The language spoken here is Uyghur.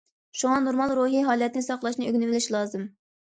شۇڭا نورمال روھىي ھالەتنى ساقلاشنى ئۆگىنىۋېلىش لازىم.